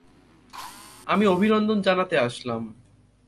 আমি অভিনন্দন জানাতে আসলাম।